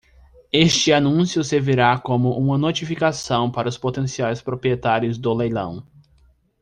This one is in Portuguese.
Este anúncio servirá como uma notificação para os potenciais proprietários do leilão.